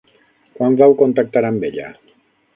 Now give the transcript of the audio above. Quan vau contactar amb ella?